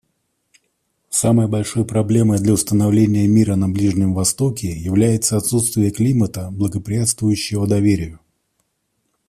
Самой большой проблемой для установления мира на Ближнем Востоке является отсутствие климата, благоприятствующего доверию.